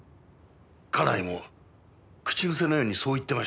家内も口癖のようにそう言ってました。